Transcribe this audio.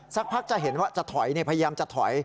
สักพักจะเห็นว่าจะถอยพยายามจะถอย